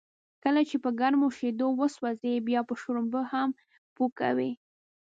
کله چې په گرمو شیدو و سوځې، بیا به شړومبی هم پو کوې.